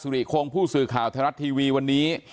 ริคงผู้สื่อข่าวไทยรัฐทีวีวันนี้